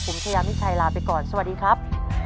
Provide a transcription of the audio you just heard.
ผมชายามิชัยลาไปก่อนสวัสดีครับ